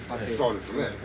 そうですね。